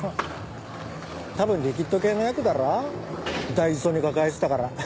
多分リキッド系のヤクだろ大事そうに抱えてたから。